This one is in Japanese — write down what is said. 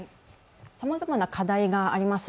さまざまな課題があります。